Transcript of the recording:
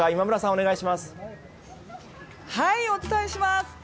はい、お伝えします。